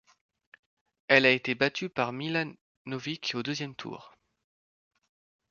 Elle a été battue par Milanović au deuxième tour.